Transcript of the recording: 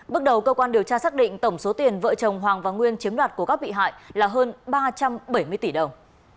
bước đầu cơ quan điều tra xác định tổng số tiền vợ chồng hoàng và nguyên chiếm đoạt của các bị hại là hơn ba trăm bảy mươi tỷ đồng